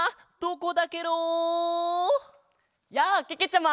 やあけけちゃま！